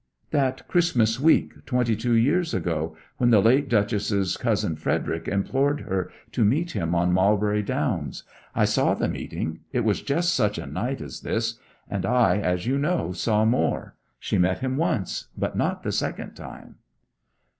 'That Christmas week twenty two years ago, when the late Duchess's cousin Frederick implored her to meet him on Marlbury Downs. I saw the meeting it was just such a night as this and I, as you know, saw more. She met him once, but not the second time.'